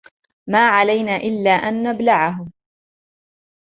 ما علينا إلا أن نبلعه.